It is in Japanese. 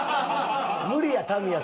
無理や！